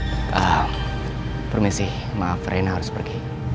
kita permisi maaf rena harus pergi